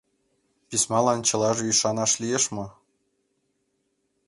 Письмалан чылажак ӱшанаш лиеш мо?